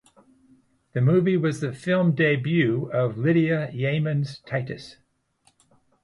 The movie was the film debut of Lydia Yeamans Titus.